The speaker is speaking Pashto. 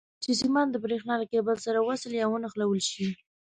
چې سیمان د برېښنا له کیبل سره وصل یا ونښلول شي.